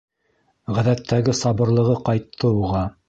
Ғәҙәттәге сабырлығы ҡайтты уға.